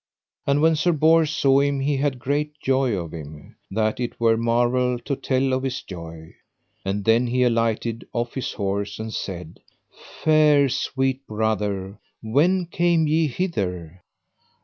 And when Sir Bors saw him he had great joy of him, that it were marvel to tell of his joy. And then he alighted off his horse, and said: Fair sweet brother, when came ye hither?